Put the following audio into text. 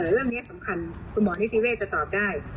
เรื่องนี้สำคัญคุณหมอนิติเวศจะตอบได้